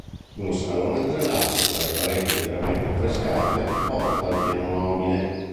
Uno scalone a tre rampe, dalle pareti interamente affrescate, porta al piano nobile.